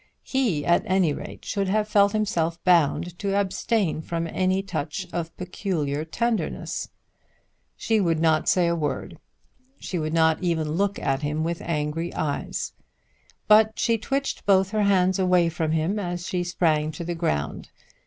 He at any rate should have felt himself bound to abstain from any touch of peculiar tenderness. She would not say a word. She would not even look at him with angry eyes. But she twitched both her hands away from him as she sprang to the ground.